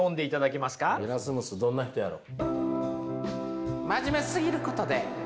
どんな人やろ？